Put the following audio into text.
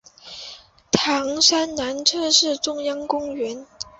糖山南侧就是中央公园。